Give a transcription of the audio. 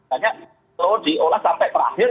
hanya perlu diolah sampai terakhir